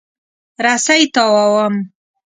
رسۍ تاووم.